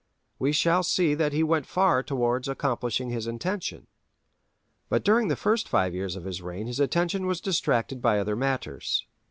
We shall see that he went far towards accomplishing his intention. But during the first five years of his reign his attention was distracted by other matters.